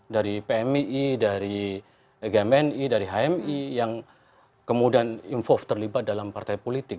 dari pmii dari gmni dari hmi yang kemudian involve terlibat dalam partai politik